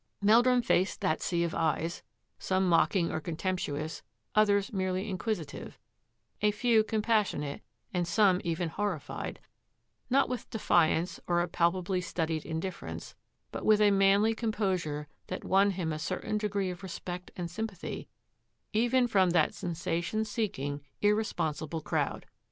Meldrum faced that sea of eyes, — some mocking or contemptuous, others merely inquisitive, a few compassionate, and some even horrified, — not with defiance or a palpably studied indifference, but with a manly composure that won him a certain degree of respect and sympathy even from that sensa tion seeking, irresponsible crowd.